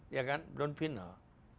ya kan belum final